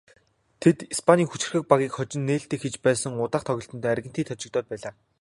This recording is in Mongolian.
Тэд Испанийн хүчирхэг багийг хожин нээлтээ хийж байсан ч удаах тоглолтдоо Аргентинд хожигдоод байлаа.